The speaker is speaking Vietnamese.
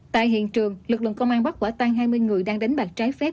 tại hiện trường lực lượng công an bắt quả tan hai mươi người đang đánh bạc trái phép